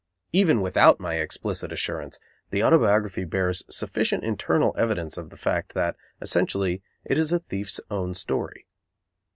Even without my explicit assurance, the autobiography bears sufficient internal evidence of the fact that, essentially, it is a thief's own story.